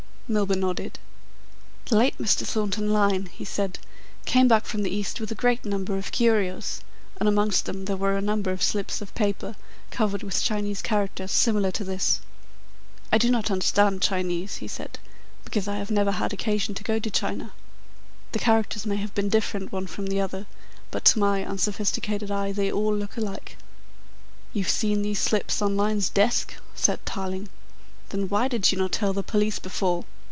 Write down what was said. Milburgh nodded. "The late Mr. Thornton Lyne," he said, "came back from the East with a great number of curios, and amongst them were a number of slips of paper covered with Chinese characters similar to this. I do not understand Chinese," he said, "because I have never had occasion to go to China. The characters may have been different one from the other, but to my unsophisticated eye they all look alike." "You've seen these slips on Lyne's desk?" said Tarling. "Then why did you not tell the police before?